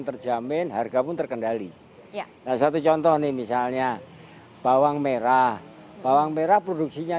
terjamin harga pun terkendali ya satu contoh nih misalnya bawang merah bawang merah produksinya